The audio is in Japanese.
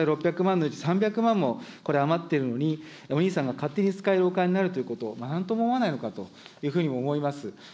い６００万のうち３００万もこれ、余っているのに、お兄さんが勝手に使えるお金になるということ、なんとも思わないのかというふうに思います。